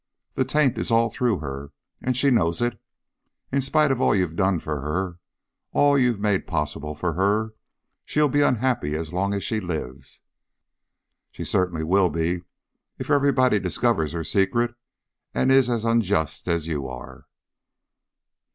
The taint is all through her. And she knows it. In spite of all you've done for her, of all you've made possible for her, she'll be unhappy as long as she lives." "She certainly will be if everybody discovers her secret and is as unjust as you are."